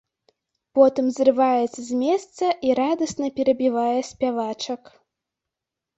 Потым зрываецца з месца і радасна перабівае спявачак.